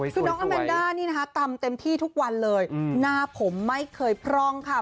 คือน้องอาแมนด้านี่นะคะตำเต็มที่ทุกวันเลยหน้าผมไม่เคยพร่องค่ะ